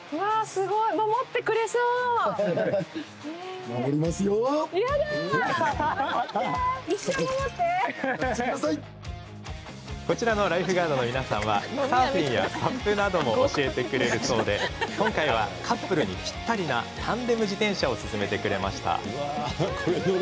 すごい。こちらのライフガードの皆さんはサーフィンやサップなども教えてくれるそうで今回はカップルにぴったりなタンデム自転車を勧めてくれました。